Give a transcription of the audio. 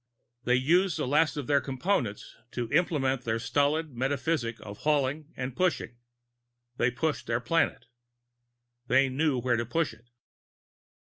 They used the last of their Components to implement their stolid metaphysic of hauling and pushing. They pushed their planet. They knew where to push it.